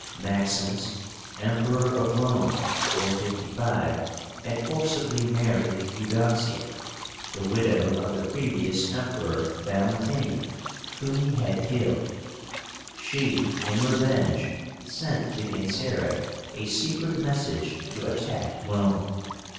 Maximus, Emperor of Rome (455), had forcibly married Eudoxia, the widow of the previous Emperor, Valentinian, whom he had killed. She in revenge sent to Genseric a secret message to attack Rome.